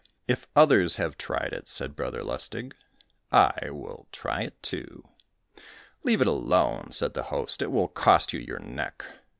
"If others have tried it," said Brother Lustig, "I will try it too." "Leave it alone," said the host, "it will cost you your neck."